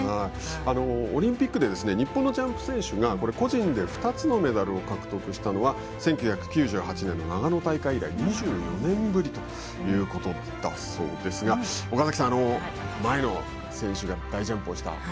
オリンピックで日本のジャンプ選手が個人で２つのメダルを獲得したのは１９９８年の長野大会以来２４年ぶりということだそうですが岡崎さん、前の選手が大ジャンプをした。